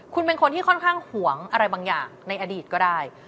คุณเป็นคนที่ค่อนข้างห่วงอะไรบางอย่างในอดีตก็ได้